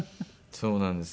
そうなんですよ。